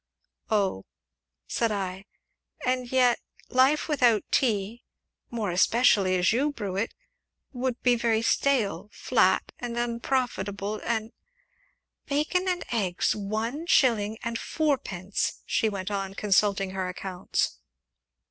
"Oh!" said I; "and yet, life without tea more especially as you brew it would be very stale, flat, and unprofitable, and " "Bacon and eggs one shilling and fourpence!" she went on, consulting her accounts.